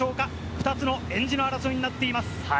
２つのえんじの争いになっています。